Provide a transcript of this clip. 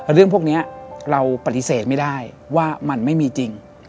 เรื่องพวกนี้เราปฏิเสธไม่ได้ว่ามันไม่มีจริง